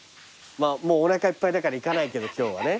もうおなかいっぱいだから行かないけど今日はね。